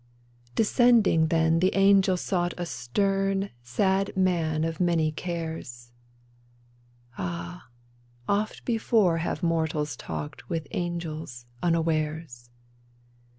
Descending then the angel sought A stern, sad man of many cares — Ah, oft before have mortals talked With angels, unawares